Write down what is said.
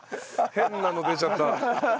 変なの出ちゃった。